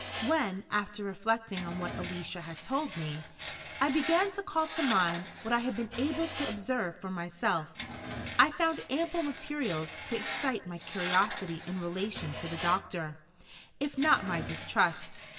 When, after reflecting on what Alicia had told me, I began to call to mind what I had been able to observe for myself, I found ample materials to excite my curiosity in relation to the doctor, if not my distrust.